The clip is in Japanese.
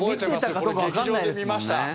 これ、劇場で見ました。